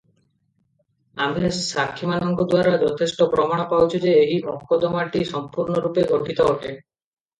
ଆମ୍ଭେ ସାକ୍ଷୀମାନଙ୍କ ଦ୍ୱାରା ଯଥେଷ୍ଟ ପ୍ରମାଣ ପାଉଛୁ ଯେ, ଏହି ମକଦ୍ଦମାଟି ସଂପୂର୍ଣ୍ଣରୂପେ ଗଠିତ ଅଟେ ।